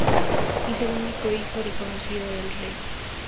Es el único hijo reconocido del rey.